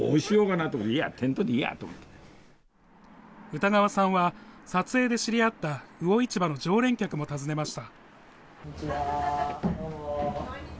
歌川さんは、撮影で知り合った魚市場の常連客も訪ねました。